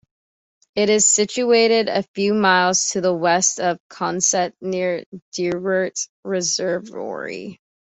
It is situated a few miles to the west of Consett, near Derwent Reservoir.